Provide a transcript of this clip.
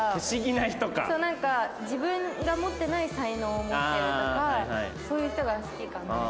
そうなんか自分が持ってない才能を持ってるとかそういう人が好きかな。